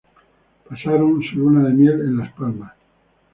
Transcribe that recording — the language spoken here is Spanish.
Pasaron su luna de miel en Las Palmas.